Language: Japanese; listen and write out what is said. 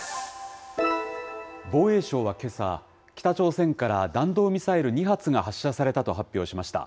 防衛省はけさ、北朝鮮から弾道ミサイル２発が発射されたと発表しました。